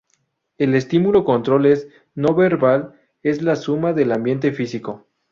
El estímulo control es no-verbal; es "la suma del ambiente físico".